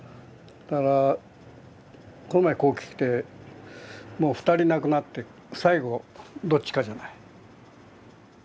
だからこの前ここ来てもう２人亡くなって最後どっちかじゃない？